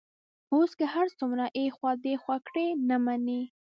اوس که هر څومره ایخوا دیخوا کړي، نه مني.